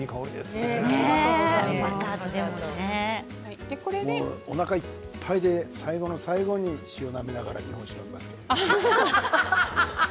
もう、おなかいっぱいで最後の最後に塩をなめながら日本酒を飲みますけどね。